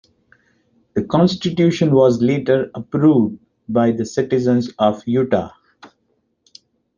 The constitution was later approved by the citizens of Utah.